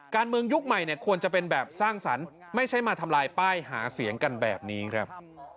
ยุคใหม่เนี่ยควรจะเป็นแบบสร้างสรรค์ไม่ใช่มาทำลายป้ายหาเสียงกันแบบนี้ครับ